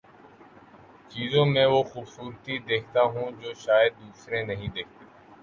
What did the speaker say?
چیزوں میں وہ خوبصورتی دیکھتا ہوں جو شائد دوسرے نہیں دیکھتے